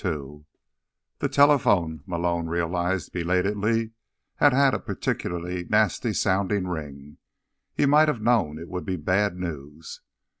2 The telephone, Malone realized belatedly, had had a particularly nasty sounding ring. He might have known it would be bad news.